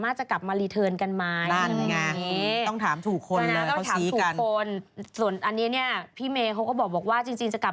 ตายนึกว่าอ้ามกับ